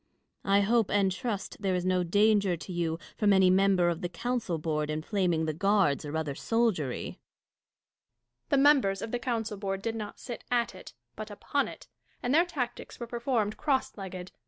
I hope and trust there is no danger to you from any member of the council board inflaming the guards or other soldiery. Catharine. The members of the council board did not 90 IMA GIN A R V CONVERSA TIONS. sit at it, but upon it ; and their tactics were performed cross legged.